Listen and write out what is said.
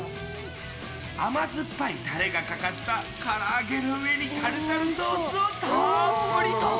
甘酸っぱいタレがかかったから揚げの上にタルタルソースをたっぷりと。